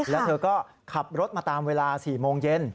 แล้วเธอก็ขับรถมาตามเวลา๔โมงเย็น